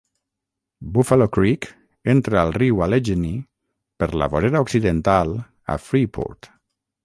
Buffalo Creek entra al riu Allegheny per la vorera occidental a Freeport.